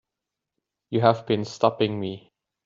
You have been stopping me.